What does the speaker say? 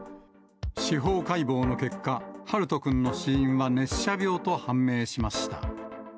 司法解剖の結果、陽翔くんの死因は熱射病と判明しました。